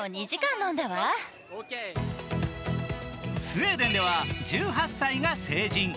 スウェーデンでは１８歳が成人。